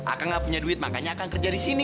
akang nggak punya duit makanya akang kerja di sini